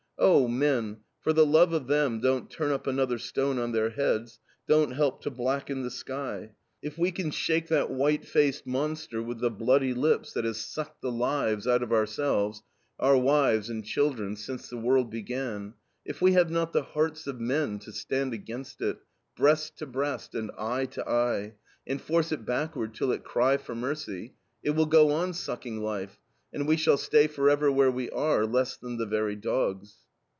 Oh, men, for the love of them don't turn up another stone on their heads, don't help to blacken the sky. If we can shake that white faced monster with the bloody lips that has sucked the lives out of ourselves, our wives, and children, since the world began, if we have not the hearts of men to stand against it, breast to breast and eye to eye, and force it backward till it cry for mercy, it will go on sucking life, and we shall stay forever where we are, less than the very dogs."